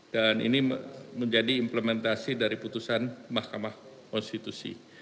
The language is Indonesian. dan ini menjadi implementasi dari putusan mahkamah konstitusi